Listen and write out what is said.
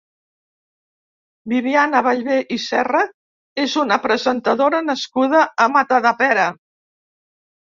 Bibiana Ballbè i Serra és una presentadora nascuda a Matadepera.